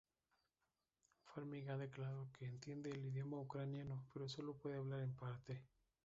Farmiga ha declarado que entiende el idioma ucraniano, pero sólo puede hablar en parte.